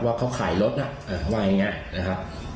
ว่าเขาขายรถนะว่าอย่างนี้นะครับ